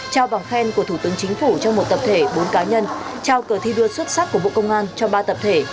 trao bằng khen của thủ tướng chính phủ cho một tập thể bốn cá nhân trao cờ thi đua xuất sắc của bộ công an cho ba tập thể